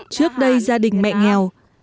trước đây gia đình mẹ nghệ an đã được giúp đỡ